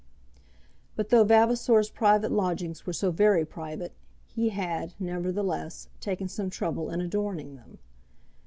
But though Vavasor's private lodgings were so very private, he had, nevertheless, taken some trouble in adorning them.